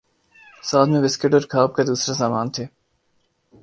ساتھ میں بسکٹ اور کھا پ کا دوسرا سامان تھے